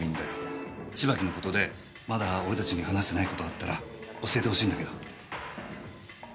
芝木の事でまだ俺たちに話してない事があったら教えてほしいんだけど。